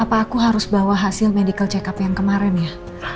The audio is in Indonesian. apa aku harus bawa hasil medical check up yang kemarin ya